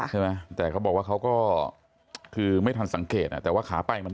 ใช่ไหมแต่เขาบอกว่าเขาก็คือไม่ทันสังเกตอ่ะแต่ว่าขาไปมัน